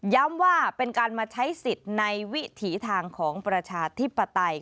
ว่าเป็นการมาใช้สิทธิ์ในวิถีทางของประชาธิปไตย